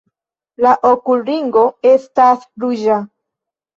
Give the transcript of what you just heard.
La okulringo estas ruĝa.